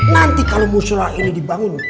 nanti kalau musyola ini dibangun